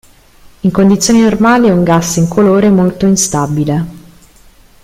In condizioni normali è un gas incolore molto instabile.